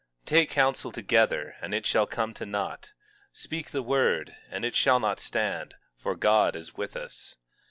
18:10 Take counsel together, and it shall come to naught; speak the word, and it shall not stand; for God is with us.